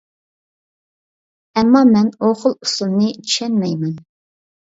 ئەمما مەن ئۇ خىل ئۇسۇلنى چۈشەنمەيمەن.